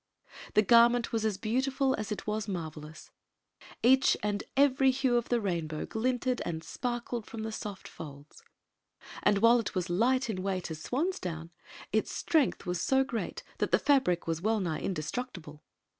The garment was as beautiful as it was marvelous — each and every hue of the rainbow g linted and sparkled from the soft folds ; and while it was light .in weight as swan's down, its strength was so great that the hAxic was well nigh indestoctible.